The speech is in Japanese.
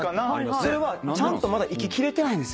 それはちゃんとまだ生ききれてないんですよ。